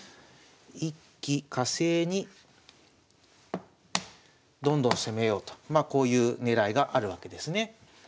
一気かせいにどんどん攻めようとまあこういう狙いがあるわけですね。